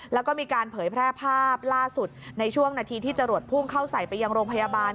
แล้วก็มีการเผยแพร่ภาพล่าสุดในช่วงนาทีที่จรวดพุ่งเข้าใส่ไปยังโรงพยาบาล